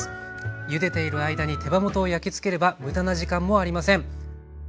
ゆでている間に手羽元を焼きつければ無駄な時間もありません。